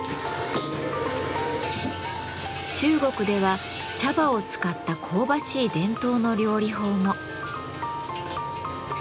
中国では茶葉を使った香ばしい伝統の料理法も。